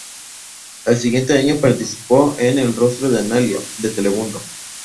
Al siguiente año participó en "El rostro de Analía" de Telemundo.